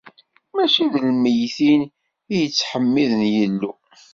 Mačči d lmeyytin i yettḥemmiden Illu.